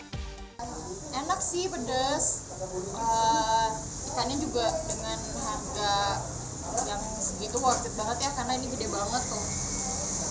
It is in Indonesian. enak sih pedas ikannya juga dengan harga yang segitu worth it banget ya karena ini gede banget tuh